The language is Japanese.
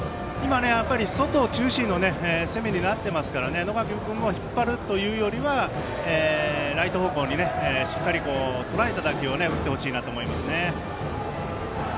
外重視の攻めになっていますので野上君も引っ張るというよりはライト方向にしっかりとらえた打球を打ってほしいなと思いますね。